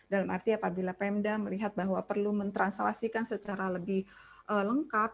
dalam arti apabila pemda melihat bahwa perlu mentranslasikan secara lebih lengkap